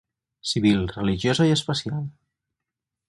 Civil, Religiosa i Especial.